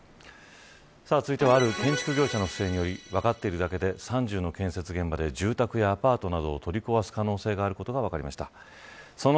続いてはある建築業者の不正により分かっているだけで３０の建設現場で住宅やアパートなどを取り壊す可能性があることが分かりました。